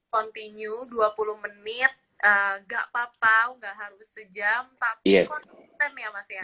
continue dua puluh menit gak apa apa nggak harus sejam tapi konsisten ya mas ya